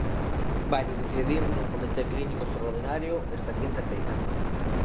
Vaino decidir nun Comité Clínico extraordinario esta quinta feira.